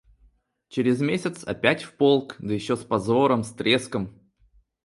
Через месяц опять в полк, да ещё с позором, с треском.